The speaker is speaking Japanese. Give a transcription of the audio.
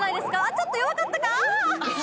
ちょっと弱かったか？